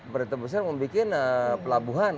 pemerintah pusat membuat pelabuhan